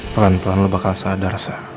pelan pelan lo bakal sadar